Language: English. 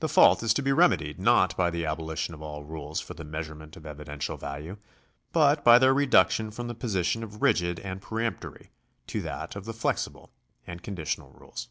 The fault is to be remedied not by the abolition of all rules for the measurement of evidential value, but by their reduction from the position of rigid and peremptory to that of flexible and conditional rules.